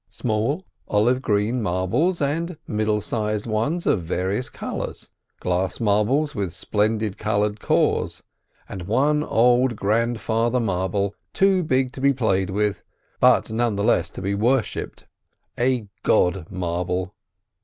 Small olive green marbles and middle sized ones of various colours; glass marbles with splendid coloured cores; and one large old grandfather marble too big to be played with, but none the less to be worshipped—a god marble.